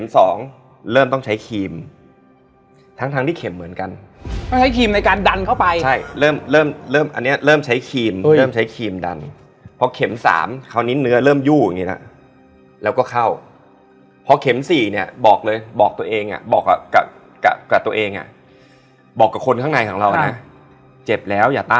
ซึ่งถ้าเขาจะคุยมันก็ไม่มาอยู่ตรงนี้ของเรา